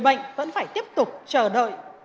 vẫn phải tiếp tục chờ đợi